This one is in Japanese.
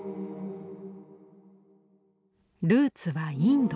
ルーツはインド。